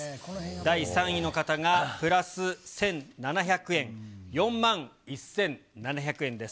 第３位の方が、プラス１７００円、４万１７００円です。